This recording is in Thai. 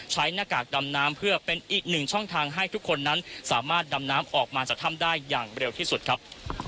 หน้ากากดำน้ำเพื่อเป็นอีกหนึ่งช่องทางให้ทุกคนนั้นสามารถดำน้ำออกมาจากถ้ำได้อย่างเร็วที่สุดครับ